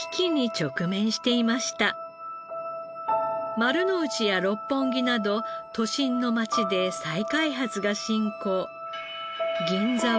丸の内や六本木など都心の街で再開発が進行。